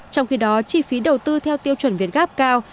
trong khi đó chi phí đầu tư theo tiêu chuẩn việt gáp cao